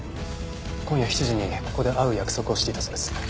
今夜７時にここで会う約束をしていたそうです。